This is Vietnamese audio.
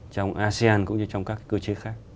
trong asean cũng như trong các cơ chế khác